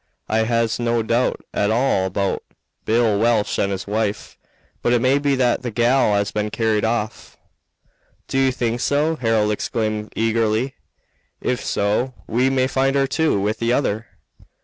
I has no doubt at all about Bill Welch and his wife, but it may be that the gal has been carried off." "Do you think so?" Harold exclaimed eagerly. "If so, we may find her, too, with the other."